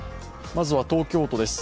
まずは東京都です。